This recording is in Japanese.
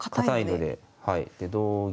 で同銀。